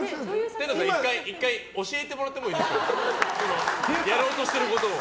１回、教えてもらってもいいですか。